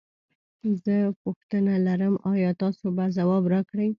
زه یوه پوښتنه لرم ایا تاسو به ځواب راکړی؟